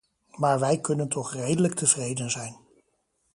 Maar wij kunnen toch redelijk tevreden zijn.